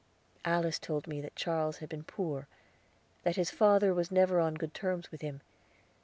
Alice told me that Charles had been poor; that his father was never on good terms with him.